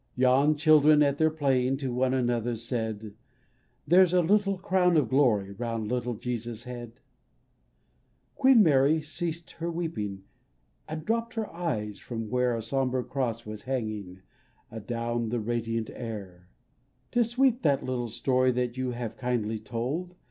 Yon children at their playing To one another said, "There's a little crown of glory Round little Jesus' head 1" Queen Mary ceased her weeping And dropped her eyes from where A sombre cross was hanging Adown the radiant air. " 'Tis sweet that little story That you have kindly told.